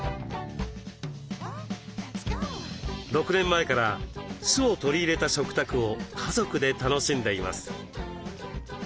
６年前から酢を取り入れた食卓を家族で楽しんでいます。